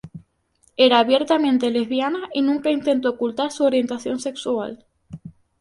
Era abiertamente lesbiana y nunca intentó ocultar su orientación sexual.